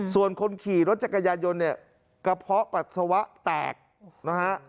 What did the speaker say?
ส่วนคนขี่รถจักรยานยนต์เนี่ยกระเพาะปัสสาวะแตกนะฮะ